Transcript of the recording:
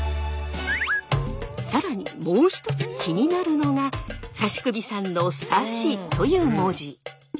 更にもう一つ気になるのが指首さんの指という文字。